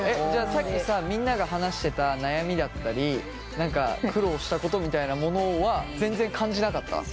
じゃあさっきさみんなが話してた悩みだったり何か苦労したことみたいなものは全然感じなかった？